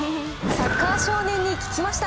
サッカー少年に聞きました。